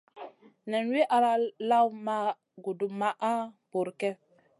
Nen wi ala lawna ma gudmaha bur kep.